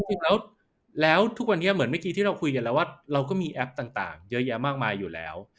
จริงแล้วทุกวันนี้เหมือนเมื่อกี้ที่เราคุยกันแล้วว่าเราก็มีแอปต่างเยอะแยะมากมายอยู่แล้ว